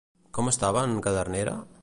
Com estava en Cadernera?